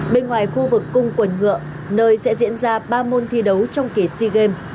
bên ngoài khu vực cung quần ngựa nơi sẽ diễn ra ba môn thi đấu trong kỳ sea games